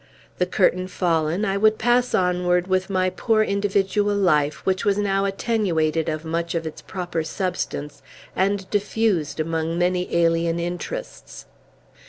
The curtain fallen, I would pass onward with my poor individual life, which was now attenuated of much of its proper substance, and diffused among many alien interests.